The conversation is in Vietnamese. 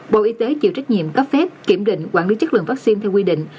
bộ y tế chịu trách nhiệm cấp phép kiểm định quản lý chất lượng vaccine theo quy định